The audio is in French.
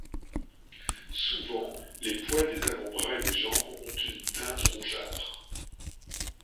Souvent, les poils des avant-bras et des jambes ont une teinte rougeâtre.